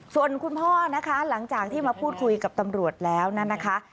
ส่วนคุณพ่อนะคะหลังจากที่มาพูดคุยกับตำรวจแล้วนะคะ